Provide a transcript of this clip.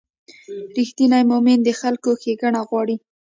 رښتینی مؤمن د خلکو ښېګڼه غواړي.